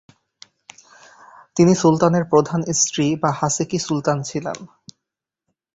তিনি সুলতানের প্রধান স্ত্রী বা "হাসেকি সুলতান" ছিলেন।